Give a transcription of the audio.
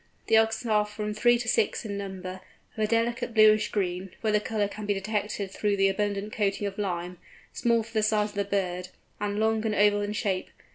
The eggs are from three to six in number, of a delicate bluish green—where the colour can be detected through the abundant coating of lime—small for the size of the bird, and long and oval in shape.